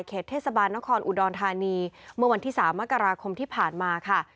เทศบาลนครอุดรธานีเมื่อวันที่๓มกราคมที่ผ่านมาค่ะ